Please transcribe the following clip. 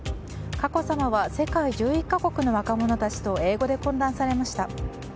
佳子さまは世界１１か国の若者たちと英語で懇談されました。